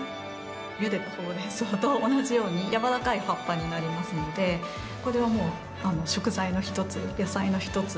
ゆでたほうれんそうと同じようにやわらかい葉っぱになりますのでこれはもう食材の１つ、野菜の１つ。